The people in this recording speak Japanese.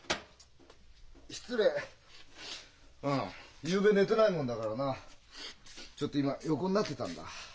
ああゆうべ寝てないもんだからなちょっと今横になってたんだ。